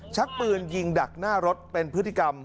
ชักปืนยิงดักหน้ารถเป็นพฤติกรรม